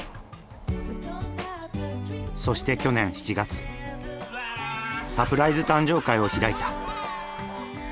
そして去年７月サプライズ誕生会を開いた。